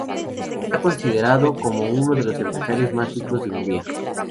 Está considerado como uno de los empresarios más ricos de Hungría.